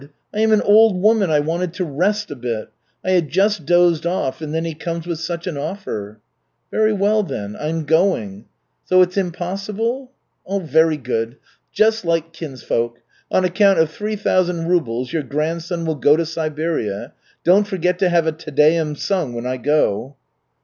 I am an old woman, I wanted to rest a bit. I had just dozed off and then he comes with such an offer." "Very well, then. I am going. So it's impossible? Very good. Just like kinsfolk. On account of three thousand rubles your grandson will go to Siberia. Don't forget to have a Te Deum sung when I go."